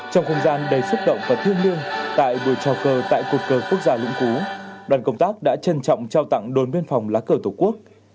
trong không gian đầy xúc động và thiêng liêng tại buổi trao cơ tại cột cờ quốc gia lũng cú đoàn công tác đã trân trọng trao tặng đồn biên phòng lá cờ tổ quốc